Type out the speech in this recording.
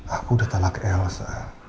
aku udah talak elsa